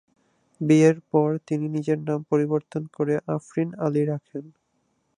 বিয়ের পর তিনি নিজের নাম পরিবর্তন করে আফরিন আলি রাখেন।